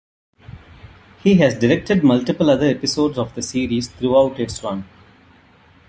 He has directed multiple other episodes of the series throughout its run.